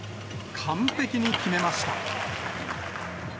完璧に決めました。